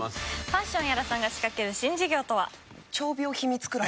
パッション屋良さんが仕掛ける新事業とは？